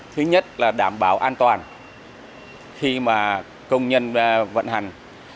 thứ nhất là đảm bảo an toàn khi mà công nhân vận hành